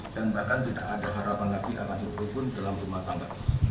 dan bahkan tidak ada harapan lagi akan dihukum dalam rumah tangga